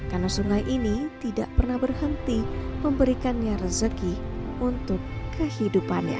karena sungai ini tidak pernah berhenti memberikannya rezeki untuk kehidupannya